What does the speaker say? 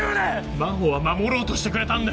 真帆は守ろうとしてくれたんだよ。